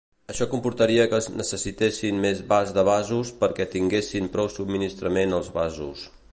Això comportaria que es necessitessin més vas de vasos perquè tinguessin prou subministrament els vasos.